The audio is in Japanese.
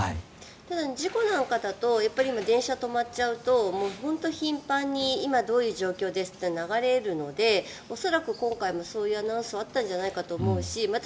事故なんかだと電車が止まっちゃうと本当、頻繁に今どういう状況ですって流れるので恐らく今回もそういうアナウンスはあったんじゃないかと思うしまた